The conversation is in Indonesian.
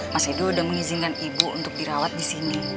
mas edo sudah mengizinkan ibu untuk dirawat di sini